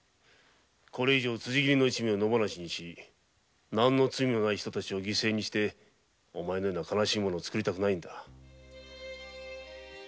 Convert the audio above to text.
これ以上辻斬りどもを野放しにし罪もない人を犠牲にしてお前のように悲しい思いをさせたくないのだ。